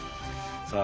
さあ